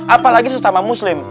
apalagi sesama muslim